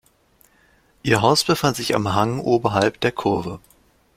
Ihr Haus befand sich am Hang oberhalb der Kurve.